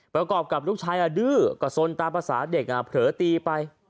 ประกอบกับลูกชายดื้อก็สนตามภาษาเด็กเผลอตีไป